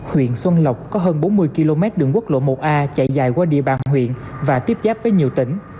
huyện xuân lộc có hơn bốn mươi km đường quốc lộ một a chạy dài qua địa bàn huyện và tiếp giáp với nhiều tỉnh